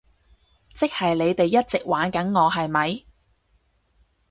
即係你哋一直玩緊我，係咪？